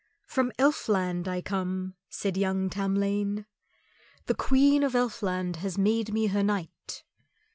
"From Elfland I come," said young Tamlane. "The Queen of Elfland has made me her knight."